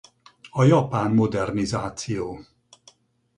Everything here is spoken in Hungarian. A japán modernizáció.